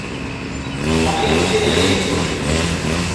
Aql-ikem d tilellit?